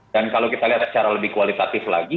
dan kalau kita lihat secara lebih kualitatif lagi